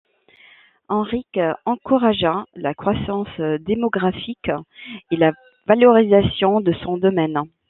Henrique encouragea la croissance démographique et la valorisation de son domaine.